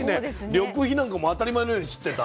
緑肥なんかも当たり前のように知ってた？